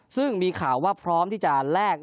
ซึ่งมีข่าวว่าพร้อมที่จะแลก